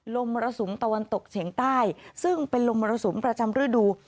มรสุมตะวันตกเฉียงใต้ซึ่งเป็นลมมรสุมประจำฤดู